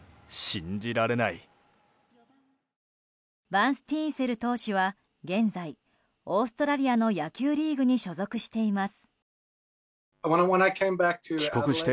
バンスティーンセル投手は現在オーストラリアの野球リーグに所属しています。